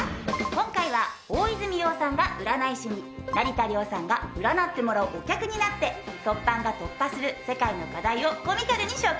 今回は大泉洋さんが占い師に成田凌さんが占ってもらうお客になってトッパンが突破する世界の課題をコミカルに紹介するの。